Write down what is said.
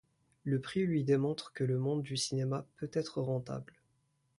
Le prix lui démontre que le monde du cinéma peut être rentable.